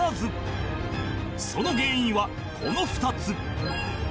その原因はこの２つ